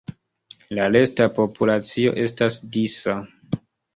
La resta populacio estas disa.